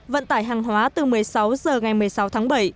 vận tải hàng hóa từ một mươi sáu h ngày một mươi sáu tháng bảy